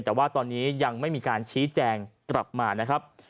แต่ว่าตอนนี้ยังไม่มีการชี้แจงกลับมานะครับ